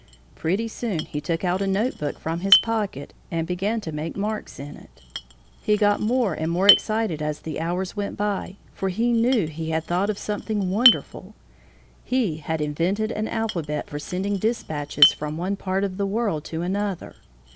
Pretty soon he took out a notebook from his pocket and began to make marks in it. He got more and more excited as the hours went by, for he knew he had thought of something wonderful. He had invented an alphabet for sending dispatches from one part of the world to another!